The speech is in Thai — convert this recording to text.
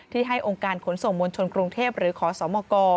ให้องค์การขนส่งมวลชนกรุงเทพหรือขอสมก